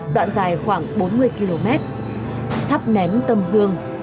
đoạn dài khoảng bốn mươi km thắp nén tầm gương